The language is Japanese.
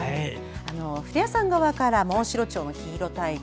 古谷さん側からモンシロチョウの黄色タイプ。